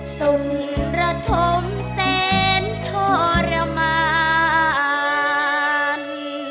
สุรธมเซ็นทรมาน